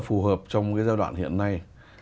phù hợp trong cái giai đoạn hiện nay